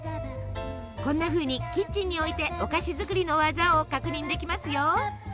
こんなふうにキッチンに置いてお菓子作りの技を確認できますよ。